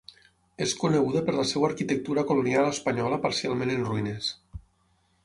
És coneguda per la seva arquitectura colonial espanyola parcialment en ruïnes.